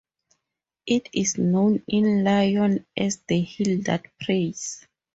It is known in Lyon as "the hill that prays".